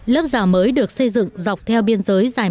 lớp rào mới được xây dựng dọc theo biên giới của nga và anh